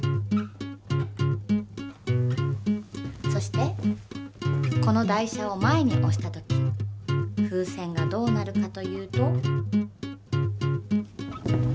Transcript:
そしてこの台車を前におした時風船がどうなるかというと。